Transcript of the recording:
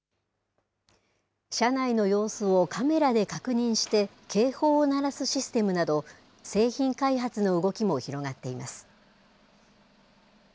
車内の様子をカメラで確認して、警報を鳴らすシステムなど、製品開発の動きも広がっています。